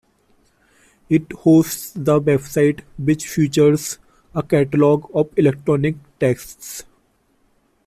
It hosts the website which features a catalogue of electronic texts.